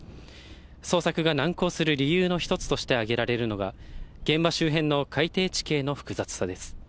捜索が難航する理由の一つとして、あげられるのが、現場周辺の海底地形の複雑さです。